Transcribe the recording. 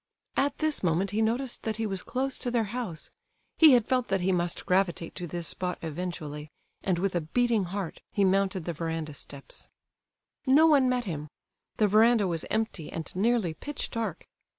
At this moment he noticed that he was close to their house; he had felt that he must gravitate to this spot eventually, and, with a beating heart, he mounted the verandah steps. No one met him; the verandah was empty, and nearly pitch dark.